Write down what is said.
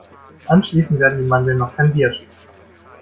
Anschließend werden die Mandeln noch kandiert.